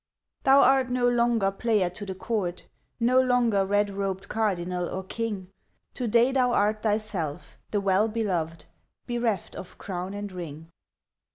Thou art no longer player to the court; No longer red robed cardinal or king; To day thou art thyself the Well Beloved Bereft of crown and ring.